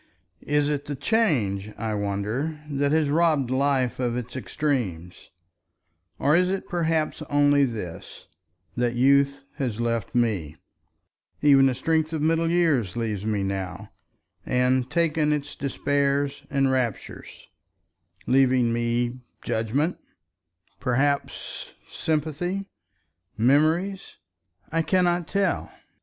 Is it the Change, I wonder, that has robbed life of its extremes, or is it perhaps only this, that youth has left me—even the strength of middle years leaves me now—and taken its despairs and raptures, leaving me judgment, perhaps, sympathy, memories? I cannot tell.